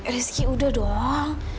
rizky udah dong